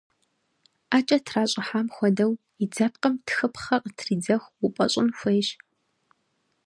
Ӏэкӏэ тращӏыхьам хуэдэу, и дзэпкъым тхыпхъэ къытридзэху упӏэщӏын хуейщ.